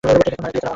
Robotnik মারা গেছে।